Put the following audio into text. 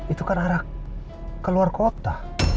itu kan arah ke luar kota